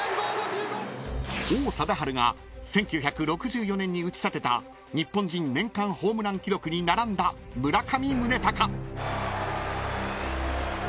［王貞治が１９６４年に打ち立てた日本人年間ホームラン記録に並んだ村上宗隆］